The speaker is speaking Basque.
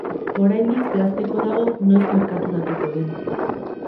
Oraindik zehazteko dago noiz merkaturatuko den.